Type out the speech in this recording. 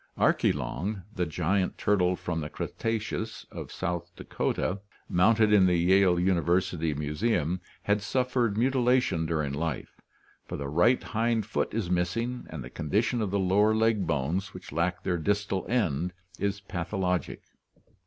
Archelon, the giant turtle from the Cretaceous of South Dakota, mounted in the Yale University Museum, had suffered mutilation during life, for the right hind foot is missing and the condition of the lower leg bones, which lack their distal end, is pathologic.